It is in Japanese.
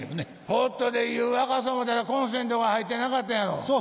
ポットで湯沸かそう思うたらコンセントが入ってなかったんやろう。